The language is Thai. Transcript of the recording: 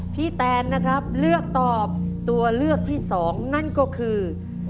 แตนนะครับเลือกตอบตัวเลือกที่๒นั่นก็คือ